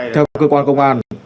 theo cơ quan công an